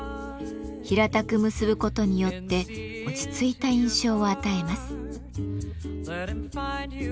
平たく結ぶことによって落ち着いた印象を与えます。